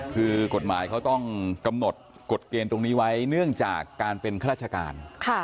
คือกฎหมายเขาต้องกำหนดกฎเกณฑ์ตรงนี้ไว้เนื่องจากการเป็นข้าราชการ